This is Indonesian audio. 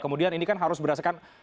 kemudian ini kan harus berdasarkan